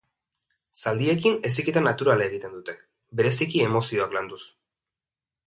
Zaldiekin heziketa naturala egiten dute, bereziki emozioak landuz.